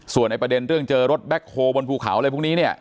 ส่วนในประเด็นเรื่องเจอรถแบ็คโฮลบนภูเขาอะไรพวกนี้เนี่ย